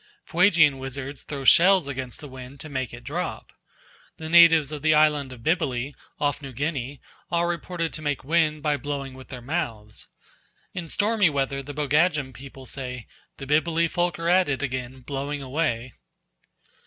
Fuegian wizards throw shells against the wind to make it drop. The natives of the island of Bibili, off New Guinea, are reputed to make wind by blowing with their mouths. In stormy weather the Bogadjim people say, "The Bibili folk are at it again, blowing away."